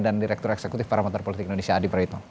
dan direktur eksekutif paramater politik indonesia adi prayutong